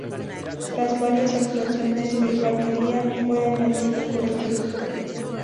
Tras varias actuaciones, el batería fue añadido por el grupo.